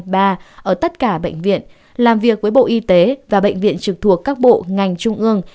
ở tất cả bệnh viện làm việc với bộ y tế và bệnh viện trực thuộc các bộ ngành trung ương